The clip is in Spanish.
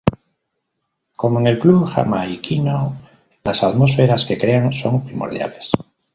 Como en el dub jamaiquino, las atmósferas que crean son primordiales.